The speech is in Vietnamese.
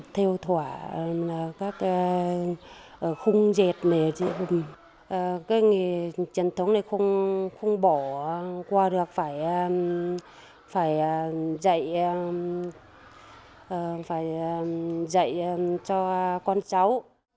theo thỏa các khung dệt này cái nghề truyền thống này không bỏ qua được phải dạy cho con cháu